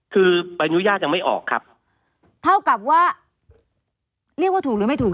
คือใบอนุญาตยังไม่ออกครับเท่ากับว่าเรียกว่าถูกหรือไม่ถูก